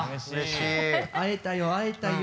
会えたよ会えたよ！